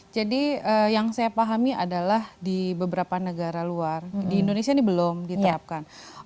jadi yang saya pahami adalah di beberapa negara luar di indonesia ini belum diterapkan